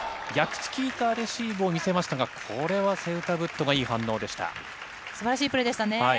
チキータレシーブを見せましたが、これはセウタブットがいい反すばらしいプレーでしたね。